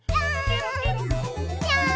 ぴょん！